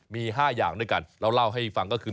มี๕อย่างด้วยกันเราเล่าให้ฟังก็คือ